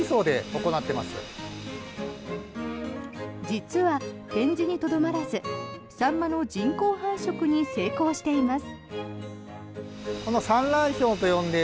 実は、展示にとどまらずサンマの人工繁殖に成功しています。